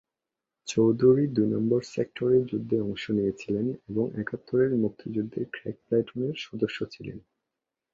চৌধুরী দুই নম্বর সেক্টরে যুদ্ধে অংশ নিয়েছিলেন এবং একাত্তরের মুক্তিযুদ্ধের ক্র্যাক প্লাটুনের সদস্য ছিলেন।